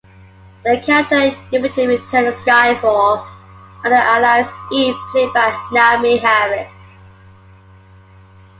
The character eventually returned in "Skyfall" under the alias 'Eve', played by Naomie Harris.